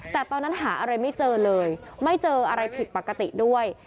แต่ตอนนั้นหาอะไรไม่เจอเลยไม่เจออะไรผิดปกติด้วย